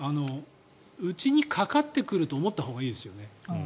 うちにかかってくると思ったほうがいいですよね。